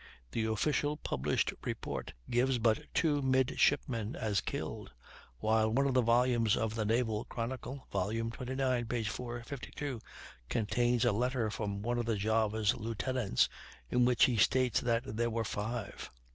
The official published report gives but two midshipmen as killed; while one of the volumes of the "Naval Chronicle" (vol. xxix, p. 452) contains a letter from one of the Java's lieutenants, in which he states that there were five.